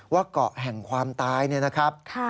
ว่าเกาะแห่งความตายนะครับ